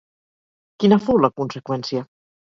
Quina fou la conseqüència?